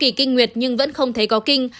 kỳ kinh nguyệt nhưng vẫn không thấy có kinh